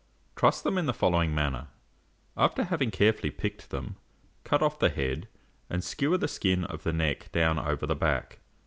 Truss them in the following manner: After having carefully picked them, cut off the head, and skewer the skin of the neck down over the back.